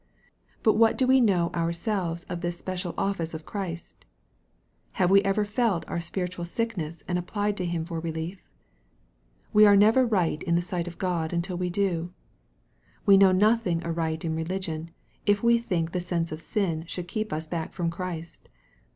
But what do we know ourselves of this special office of Christ ? Have we ever felt our spiritual sickness and applied to him for relief ? We are never right in the sight of G od until we do. We know nothing aright in religion, if we think the sense of sin should keep us back from Christ.